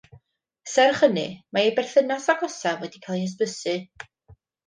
Serch hynny mae ei berthynas agosaf wedi cael ei hysbysu.